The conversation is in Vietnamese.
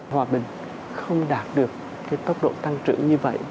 hòa bình không đạt được cái tốc độ tăng trưởng như vậy